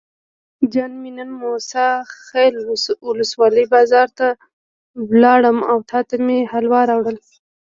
جان مې نن موسی خیل ولسوالۍ بازار ته لاړم او تاته مې حلوا راوړل.